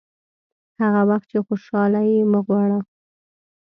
هغه وخت چې خوشاله یې مه غواړه.